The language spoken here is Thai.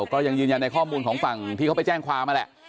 ก็ยังยืนยันในข้อมูลของฝั่งที่เขาไปแจ้งความนั่นแหละ